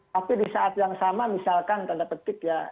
tapi di saat yang sama misalkan tanda petik ya